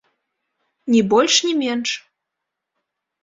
Ні больш, ні менш.